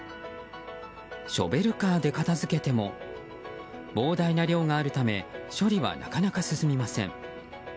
ショベルカーで片づけても膨大な量があるため処理はなかなか進みません。